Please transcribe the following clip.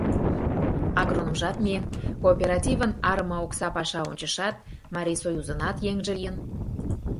Агрономжат миен, кооперативын арыме окса паша ончышат, Марисоюзынат еҥже лийын.